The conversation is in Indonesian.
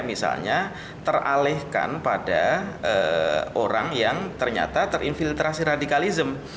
misalnya teralihkan pada orang yang ternyata terinfiltrasi radikalisme